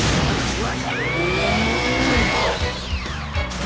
うわ！